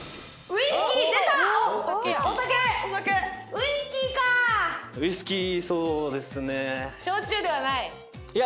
ウイスキーそうですね。